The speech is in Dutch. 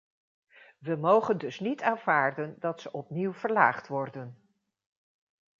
We mogen dus niet aanvaarden dat ze opnieuw verlaagd worden.